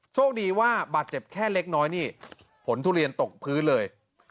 โชคดีว่าบาดเจ็บแค่เล็กน้อยนี่ผลทุเรียนตกพื้นเลย